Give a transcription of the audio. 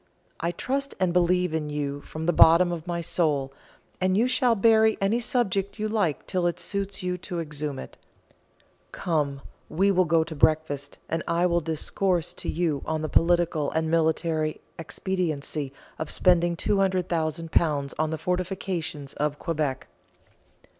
"I trust and believe in you from the bottom of my soul, and you shall bury any subject you like till it suits you to exhume it. Come, we will go to breakfast, and I will discourse to you on the political and military expediency of spending £200,000 on the fortifications of Quebec."